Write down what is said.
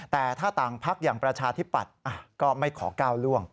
แต่ถ้าต่างพักอย่างประชาธิปัตย์ก็ไม่ขอก้าวล่วง